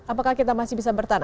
apakah kita masih bisa bertahan